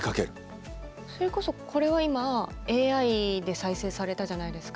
それこそこれは今ＡＩで再生されたじゃないですか。